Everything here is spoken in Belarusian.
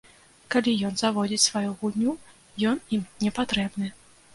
Калі ён заводзіць сваю гульню, ён ім не патрэбны.